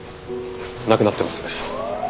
亡くなってます。